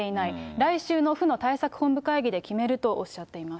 来週の府の対策本部会議で決めるとおっしゃっています。